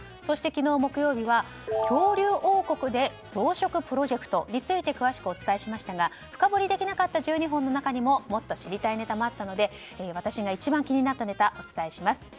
木曜日は、恐竜王国で増殖プロジェクトについて詳しくお伝えしましたが深掘りできなかった１２本の中にももっと知りたいネタもあったので私が一番気になったネタをお伝えします。